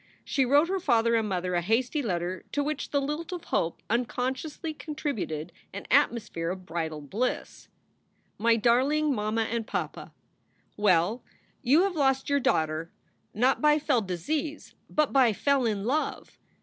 She wrote her father and mother a hasty letter to which the lilt of hope unconsciously contributed an atmosphere of bridal bliss. MY DARLING MAMMA AND PAPA, Well, you have lost your daughter not by fell disease, but by fell in love.